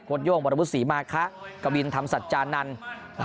โครย่องบรบุษศีมาคะกะวินทำสัจจานนันอ่า